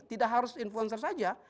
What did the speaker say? tidak harus influencer saja